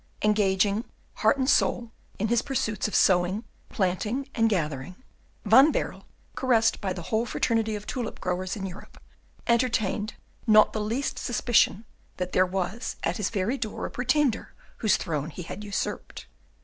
Engaging, heart and soul, in his pursuits of sowing, planting, and gathering, Van Baerle, caressed by the whole fraternity of tulip growers in Europe, entertained nor the least suspicion that there was at his very door a pretender whose throne he had usurped.